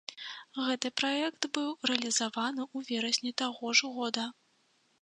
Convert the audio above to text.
Гэты праект быў рэалізаваны ў верасні таго ж года.